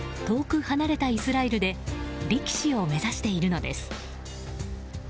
遠く離れたイスラエルで力士を目指しているのです。